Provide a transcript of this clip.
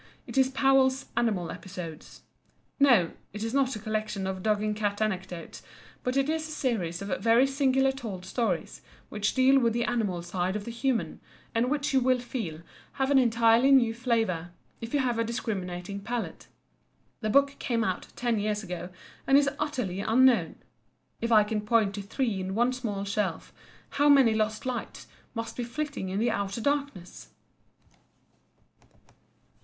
It is Powell's "Animal Episodes." No, it is not a collection of dog and cat anecdotes, but it is a series of very singularly told stories which deal with the animal side of the human, and which you will feel have an entirely new flavour if you have a discriminating palate. The book came out ten years ago, and is utterly unknown. If I can point to three in one small shelf, how many lost lights must be flitting in the outer darkness!